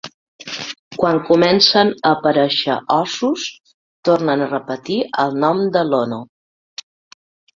Quan comencen a aparèixer ossos tornen a repetir el nom de Lono.